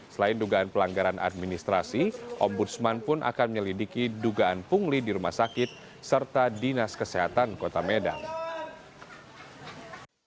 selain dugaan pelanggaran administrasi ombudsman pun akan menyelidiki dugaan pungli di rumah sakit serta dinas kesehatan kota medan